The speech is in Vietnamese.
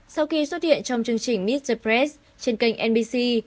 sau khi xuất hiện trong chương trình meet the press trên kênh nbc